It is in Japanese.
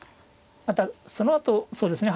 またそのあとそうですね